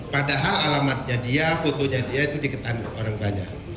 padahal alamatnya dia fotonya dia itu diketahui orang banyak